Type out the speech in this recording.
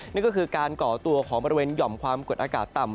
นั่นก็คือการก่อตัวของบริเวณหย่อมความกดอากาศต่ำ